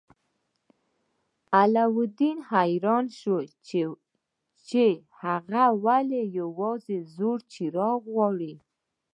علاوالدین حیران شو چې هغه ولې یوازې زوړ څراغ غواړي.